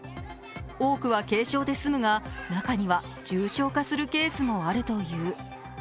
多くは軽症で済むが、中には重症化するケースもあるという。